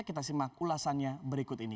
kita simak ulasannya berikut ini